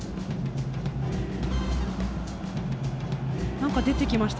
何か出てきました。